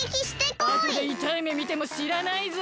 あとでいたいめみてもしらないぞ。